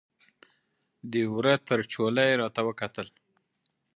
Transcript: د وره تر چوله یې راته وکتل